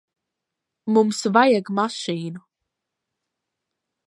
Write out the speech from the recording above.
Mums vajag mašīnu.